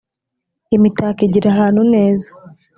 imitako igirahantu neza.